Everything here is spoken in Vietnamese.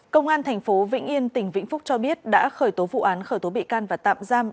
công an tp vĩnh yên tỉnh vĩnh phúc cho biết đã khởi tố vụ án khởi tố bị can và tạm giam